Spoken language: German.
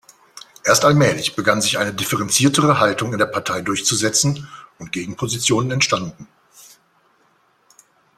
Erst allmählich begann sich eine differenziertere Haltung in der Partei durchzusetzen und Gegenpositionen entstanden.